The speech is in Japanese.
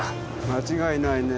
間違いないね。